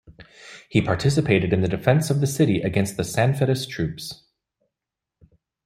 He participated in the defence of the city against the Sanfedist troops.